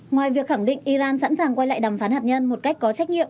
ngoài việc khẳng định iran sẵn sàng quay lại đàm phán hạt nhân một cách có trách nhiệm